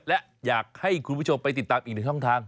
และอยากให้คุณผู้ชมไปติดตามอีกหนึ่งช่องทาง